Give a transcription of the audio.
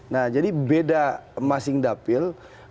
nah jadi beda masing dapil